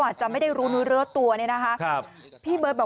อาจจะไม่ได้รู้เนื้อเลิศตัวเนี่ยนะคะครับพี่เบิร์ตบอก